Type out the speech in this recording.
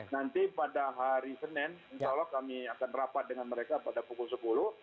nanti pada hari senin insya allah kami akan rapat dengan mereka pada pukul sepuluh